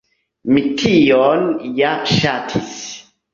Mi tion ja ŝatis.